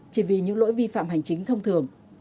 chỉ vì những lỗi vi phạm hành chính thông thường